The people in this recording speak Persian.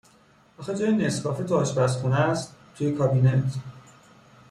آخه جای نسکافه تو آشپزخونهاس، توی کابینت.